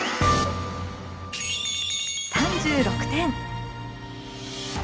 ３６点。